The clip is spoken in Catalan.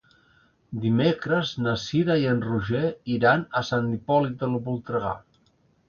Dimecres na Cira i en Roger iran a Sant Hipòlit de Voltregà.